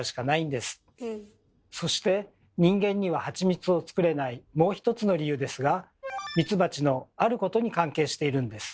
そして人間にはハチミツを作れないもう一つの理由ですがミツバチのあることに関係しているんです。